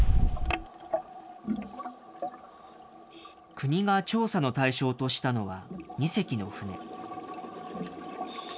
国が調査の対象としたのは、２隻の船。